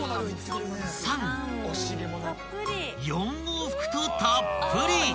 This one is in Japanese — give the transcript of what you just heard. ［４往復とたっぷり］